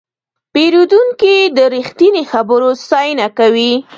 پیرودونکی د رښتیني خبرو ستاینه کوي.